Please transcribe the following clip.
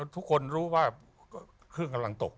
ทุกคนรู้ว่าเครื่องกำลังตก